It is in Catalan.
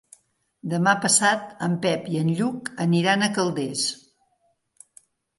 Demà passat en Pep i en Lluc aniran a Calders.